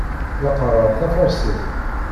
La qqaṛeɣ tafarsit.